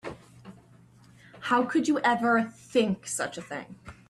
How could you ever think of such a thing?